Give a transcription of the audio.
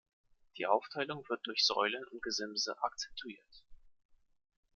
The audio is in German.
Die Aufteilung wird durch Säulen und Gesimse akzentuiert.